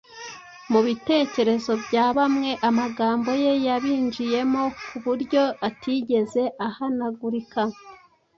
Mu bitekerezo bya bamwe, amagambo ye yabinjiyemo ku buryo atigeze ahanagurika.